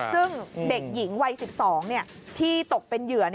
ซึ่งเด็กหญิงวัย๑๒ที่ตกเป็นเหยื่อ